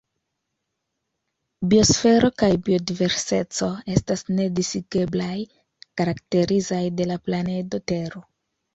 Biosfero kaj biodiverseco estas ne disigeblaj, karakterizaj de la planedo Tero.